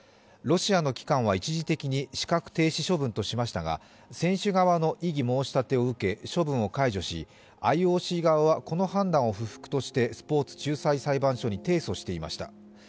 ロシアの機関は一時的に資格停止処分としましたが選手側の異議申し立てを受け、処分を解除し、ＩＯＣ側は、この判断を不服としてスポーツ仲裁裁判所に提訴していました。